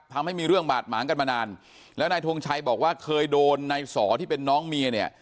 ทำให้มีเรื่องบาดหมางกันมานานแล้วนายทงชัยบอกว่าเคยโดนนายสอที่เป็นน้องเมียเนี่ย